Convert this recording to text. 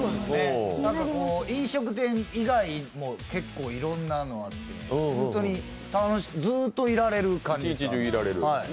飲食店以外も結構いろんなのがあって本当に楽しくてずーっといられる感じです。